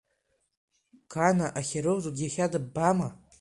Гана ахирург иахьа дибама?